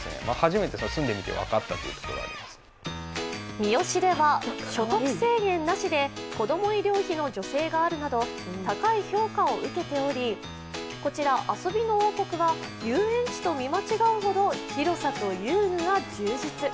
三次では所得制限なしでこども医療費の助成があるなど高い評価を受けており、こちら遊びの王国は遊園地と見間違うほど広さと遊具が充実。